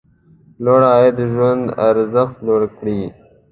لوړ عاید ژوند ارزښت لوړ کړي.